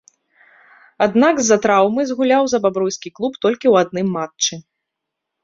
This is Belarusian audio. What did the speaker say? Аднак, з-за траўмы згуляў за бабруйскі клуб толькі ў адным матчы.